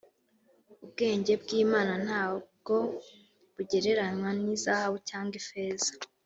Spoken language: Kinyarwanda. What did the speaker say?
Ubwenge bw’Imana ntabwo bugereranywa n’ izahabu cyangwa ifeza